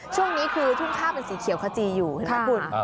ช่วงนี้คือทุ่งข้าวเป็นสีเขียวขจีอยู่เห็นไหมคุณ